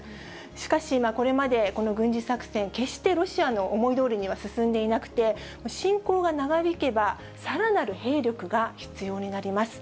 しかし、これまで軍事作戦、決してロシアの思いどおりには進んでいなくて、侵攻が長引けば、さらなる兵力が必要になります。